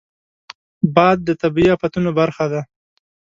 باد د طبیعي افتونو برخه ده